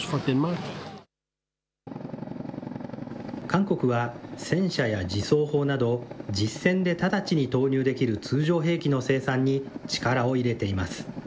韓国は戦車や自走砲など、実戦で直ちに投入できる通常兵器の生産に力を入れています。